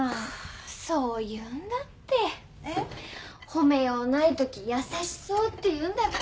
褒めようないとき優しそうって言うんだって。